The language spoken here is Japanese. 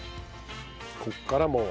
ここからもう。